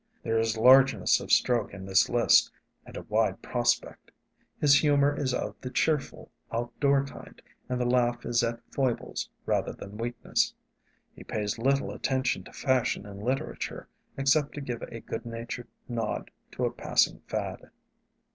There is largeness of stroke in this list, and a wide prospect. His humor is of the cheerful outdoor kind, and the laugh is at foibles rather than weakness. He pays little attention to fashion in literature, except to give a good natured nod to a passing fad.